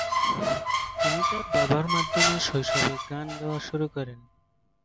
তিনি তার বাবার মাধ্যমে শৈশবে গান গাওয়া শুরু করেন।